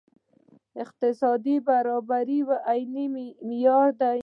اقتصادي برابري عیني معیار دی.